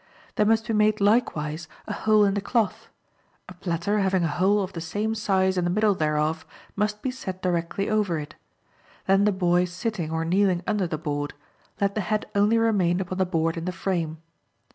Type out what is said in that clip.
There must be made likewise, a hole in the cloth; a platter, having a hole of the same size in the middle thereof, must be set directly over it; then the boy sitting or kneeling under the board; let the head only remain upon the board in the frame.